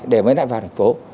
để mới lại vào thành phố